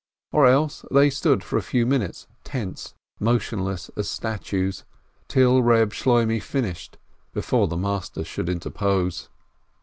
Or else they stood for a few minutes tense, motionless as statues, till Reb Shloimeh finished, before the master should interpose.